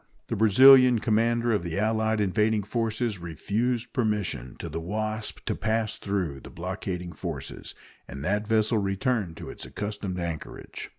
The Brazilian commander of the allied invading forces refused permission to the Wasp to pass through the blockading forces, and that vessel returned to its accustomed anchorage.